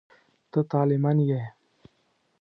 ته طالع من یې.